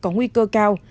có nguy cơ cao